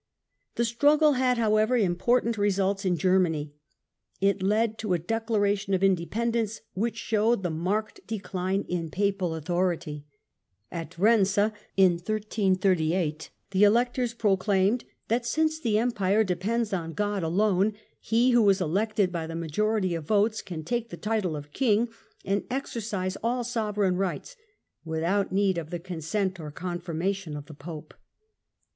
The struggle had, however, important results in Germany. It led to a declaration of independence, which showed the marked decline in Papal authority. At Eense the Electors proclaimed that " since the Em pire depends on God alone, he who is elected by the majority of votes can take the title of King and exercise all sovereign rights, without need of the consent or con firmation of the Pope